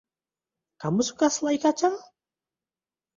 Kamu suka selai kacang?